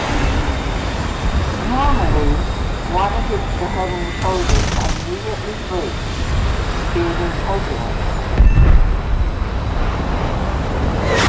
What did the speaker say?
Normally water hits the head and shoulders and immediately breaks, creating turbulence.